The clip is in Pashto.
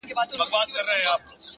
هره هڅه د سبا لپاره تخم شیندي!